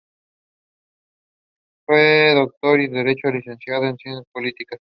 Fue doctor en Derecho y licenciado en Ciencias Políticas.